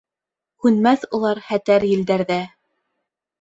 Һүнмәҫ улар хәтәр елдәрҙә...